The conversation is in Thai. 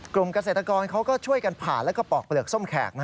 เกษตรกรเขาก็ช่วยกันผ่านแล้วก็ปอกเปลือกส้มแขก